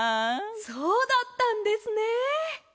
そうだったんですね。